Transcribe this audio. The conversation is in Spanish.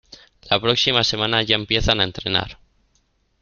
La próxima semana ya empiezan a entrenar.